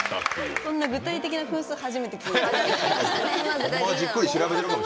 そんな具体的な分数、初めて聞いた。